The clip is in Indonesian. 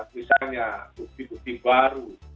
misalnya bukti bukti baru